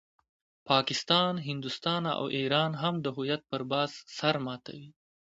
پاکستان، هندوستان او ایران هم د هویت پر بحث سر ماتوي.